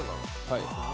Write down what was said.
はい。